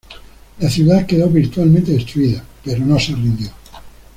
La ciudad quedó virtualmente destruida, pero no se rindió.